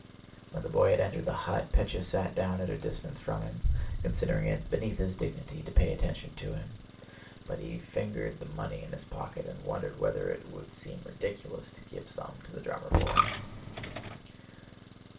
When the boy had entered the hut, Pétya sat down at a distance from him, considering it beneath his dignity to pay attention to him. But he fingered the money in his pocket and wondered whether it would seem ridiculous to give some to the drummer boy.